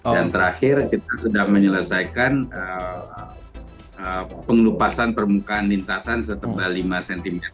dan terakhir kita sudah menyelesaikan pengelupasan permukaan lintasan setebal lima cm